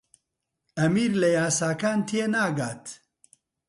ئەمیر لە یاساکان تێناگات.